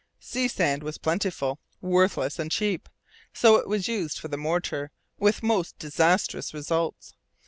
Sea sand was plentiful, worthless, and cheap. So it was used for the mortar, with most disastrous results.